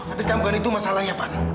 tapi sekarang bukan itu masalahnya van